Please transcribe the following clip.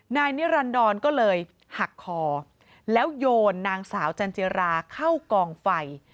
นายนิรันดรก็เลยหักคอแล้วโยนนางสาวจันจิราเข้ากองไฟ